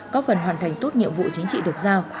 có phần hoàn thành tốt nhiệm vụ chính trị được giao